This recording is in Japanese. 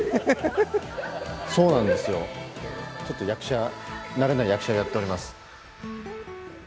そうなんですよ、ちょっと慣れない役者をやっております。